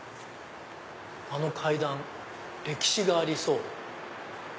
あの階段歴史がありそう。